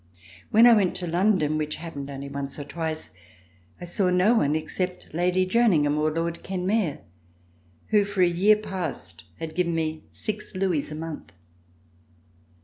When I went to London, which happened only once or twice, I saw no one except Lady Jerningham or Lord Kenmare, who for a year past had given me six louis a month.